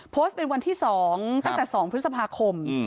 โพสต์เป็นวันที่๒ตั้งแต่๒พฤษภาคม